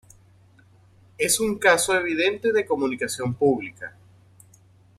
es un caso evidente de comunicación pública